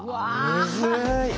むずい。